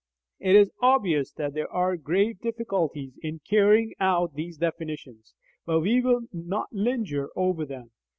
It is obvious that there are grave difficulties in carrying out these definitions, but we will not linger over them.